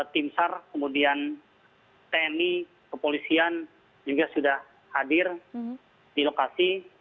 timsar kemudian tni kepolisian juga sudah hadir di lokasi